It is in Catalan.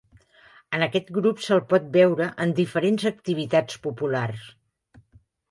A aquest grup se'l pot veure en diferents activitats populars.